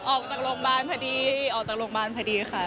ออกจากโรงพยาบาลพอดี